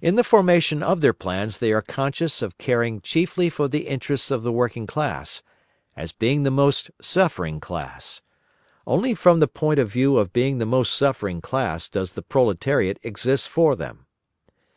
In the formation of their plans they are conscious of caring chiefly for the interests of the working class, as being the most suffering class. Only from the point of view of being the most suffering class does the proletariat exist for them.